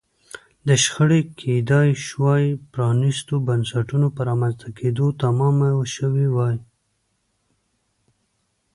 شخړې کېدای شوای پرانیستو بنسټونو په رامنځته کېدو تمامه شوې وای.